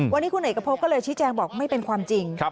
วันนี้คุณเอกพบก็เลยชี้แจงบอกไม่เป็นความจริง